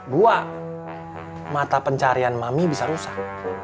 gua mata pencarian mami bisa rusak